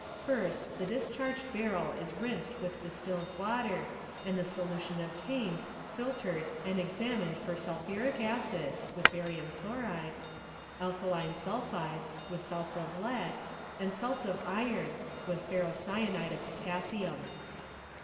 First the discharged barrel is _ rinsed with distilled water and the solution obtained filtered and examined : for sulphuric acid (with barium chloride), alkaline sulphides (with salts of lead), and salts of iron (with ferocyanide of potassium).